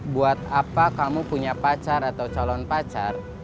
buat apa kamu punya pacar atau calon pacar